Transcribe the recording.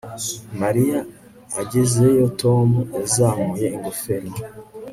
Mariya agezeyo Tom yazamuye ingofero